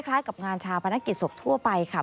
คล้ายกับงานชาวบรรณกิจศพทั่วไปค่ะ